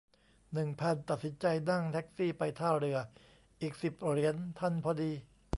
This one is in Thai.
หนึ่งพัน ตัดสินใจนั่งแท็กซี่ไปท่าเรืออีก สิบ เหรียญทันพอดี